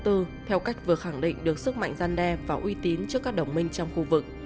tư theo cách vừa khẳng định được sức mạnh gian đe và uy tín trước các đồng minh trong khu vực